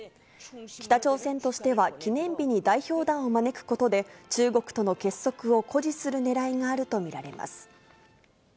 北朝鮮としては記念日に代表団を招くことで、中国との結束を誇示するねらいがあると見られます。